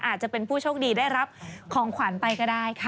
อาจจะเป็นผู้โชคดีได้รับของขวัญไปก็ได้ค่ะ